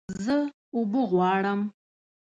زه اوبه غواړم